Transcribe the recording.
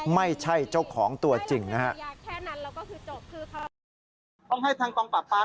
ไม่ใช่เจ้าของตัวจริงนะครับ